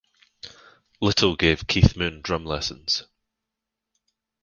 Little gave Keith Moon drum lessons.